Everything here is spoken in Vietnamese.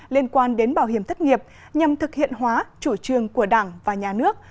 liên quan đến bảo hiểm thất nghiệp nhằm thực hiện hóa chủ trương của đảng và nhà nước